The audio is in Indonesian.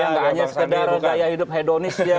enggak hanya sekedar gaya hidup hedonis